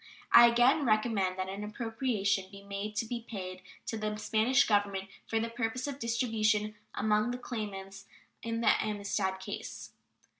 I again recommend that an appropriation be made "to be paid to the Spanish Government for the purpose of distribution among the claimants in the Amistad case."